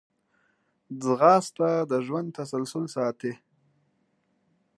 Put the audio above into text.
ځغاسته د ژوند تسلسل ساتي